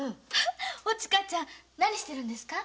おちかちゃん何してるんですか？